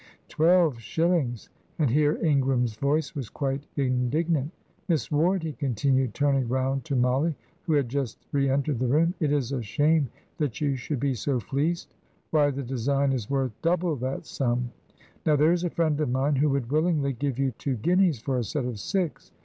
"Twelve shillings!" and here Ingram's voice was quite indignant. "Miss Ward," he continued, turning round to Mollie, who had just re entered the room, "it is a shame that you should be so fleeced. Why, the design is worth double that sum. Now there is a friend of mine who would willingly give you two guineas for a set of six.